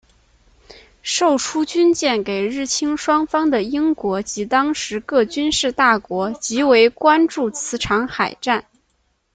售出军舰给日清双方的英国及当时各军事大国极为关注此场海战。